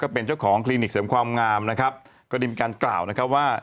เป็นเจ้าของคลินิกเสริมความงามนะครับก็ได้มีการกล่าวนะครับว่า